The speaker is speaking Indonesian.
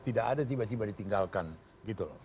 tidak ada tiba tiba ditinggalkan gitu loh